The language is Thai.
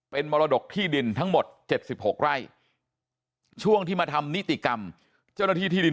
เป็นมรดกที่ดินทั้งหมด๗๖ไร่ช่วงที่มาทำนิติกรรมเจ้าหน้าที่ที่ดิน